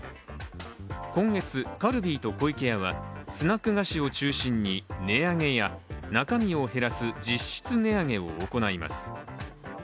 今月、カルビーと湖池屋は、スナック菓子を中心に値上げや、中身を減らす実質値上げを行います。